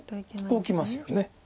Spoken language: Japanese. こうきますよね。